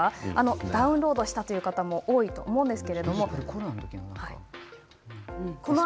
ダウンロードしたという方も多いと思います。